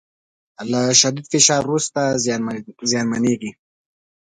له شدید فشار وروسته زیانمنېږي